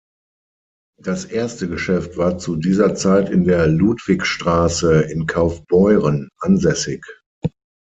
Das erste Geschäft war zu dieser Zeit in der Ludwigstraße in Kaufbeuren ansässig.